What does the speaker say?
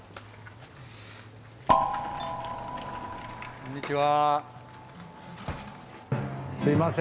こんにちは。